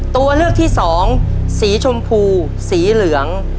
ตัวเลือกที่สองสีชมพูสีเหลือง